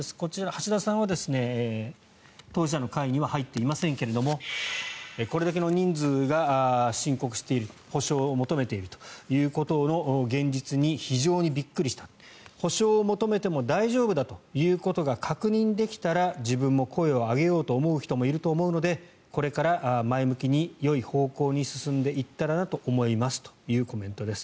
橋田さんは当事者の会には入っていませんがこれだけの人数が申告をしている補償を求めているということの現実に非常にびっくりした補償を求めても大丈夫だということが確認出来たら自分も声を上げようと思う人もいると思うのでこれから前向きによい方向に進んでいったらなと思いますというコメントです。